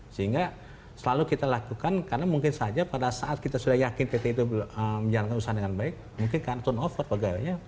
sehingga selalu kita lakukan karena mungkin saja pada saat kita sudah yakin pt itu menjalankan usaha dengan baik mungkin kan turnover pegawainya